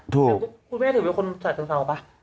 ถูกคุณแม่ถึงเป็นคนฉาเชิงเศร้าป่ะ